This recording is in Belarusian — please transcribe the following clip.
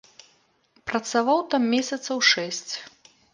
Працаваў там месяцаў шэсць.